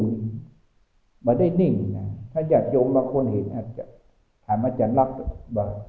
ก็ไม่ได้นิ่งนะถ้ายังโยงบางคนเห็นแท่งแต่จัดลักษณ์บอก